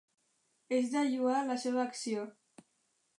És de lloar la seva acció.